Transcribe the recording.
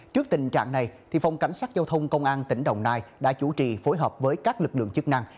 trước tình trạng này phòng cảnh sát giao thông công an tỉnh đồng nai đã chủ trì phối hợp với các lực lượng chức năng